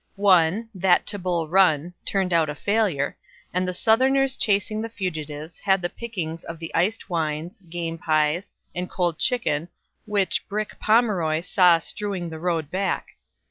One that to Bull Run turned out a failure, and the Southerners chasing the fugitives had the pickings of the iced wines, game pies, and cold chicken which "Brick" Pomeroy saw strewing the road back.